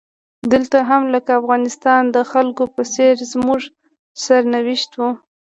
دلته هم لکه د افغانستان د خلکو په څیر زموږ سرنوشت و.